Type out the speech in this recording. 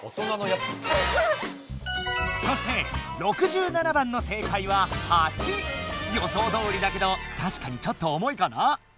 そして６７番の正解は８。予想どおりだけどたしかにちょっと重いかな。